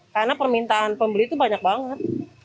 karena permintaan pembeli itu banyak banget